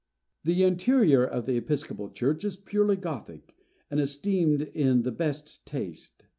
The interior of the episcopal church is purely Gothic, and esteemed in the best taste.